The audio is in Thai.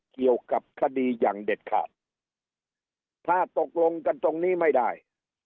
เกี่ยวกับคดีอย่างเด็ดขาดถ้าตกลงกันตรงนี้ไม่ได้